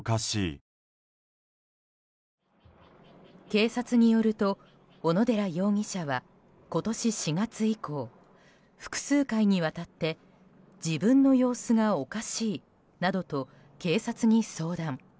警察によると小野寺容疑者は今年４月以降複数回にわたって自分の様子がおかしいなどと警察に相談。